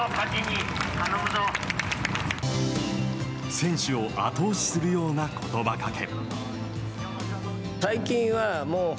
選手を後押しするような言葉がけ。